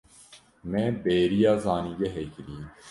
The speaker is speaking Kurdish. Me bêriya zanîngehê kiriye.